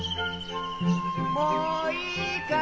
もういいかい？